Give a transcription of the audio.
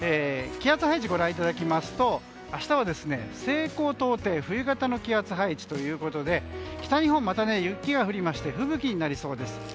気圧配置をご覧いただきますと明日は西高東低冬型の気圧配置ということで北日本、また雪が降りまして吹雪になりそうです。